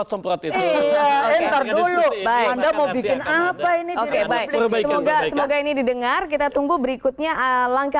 semoga ini didengar kita tunggu berikutnya